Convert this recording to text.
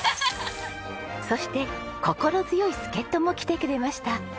そして心強い助っ人も来てくれました。